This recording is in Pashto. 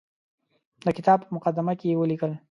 د کتاب په مقدمه کې یې ولیکل.